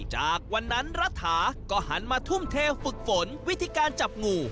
จากวันนั้นรัฐาก็หันมาทุ่มเทฝึกฝนวิธีการจับงู